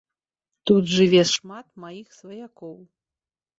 Тут жыве шмат маіх сваякоў.